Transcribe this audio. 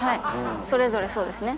それぞれそうですね。